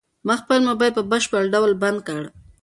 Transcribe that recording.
ما خپل موبايل په بشپړ ډول بند کړ.